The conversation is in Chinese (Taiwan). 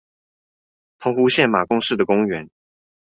澎湖縣馬公市的公園